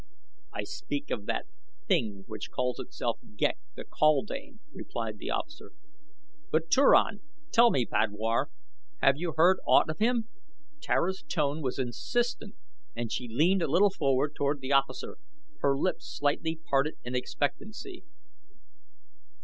"I speak of that thing which calls itself Ghek the kaldane," replied the officer. "But Turan! Tell me, padwar, have you heard aught of him?" Tara's tone was insistent and she leaned a little forward toward the officer, her lips slightly parted in expectancy.